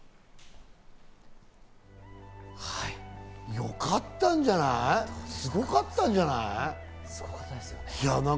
よかったんじゃない？すごかったんじゃない？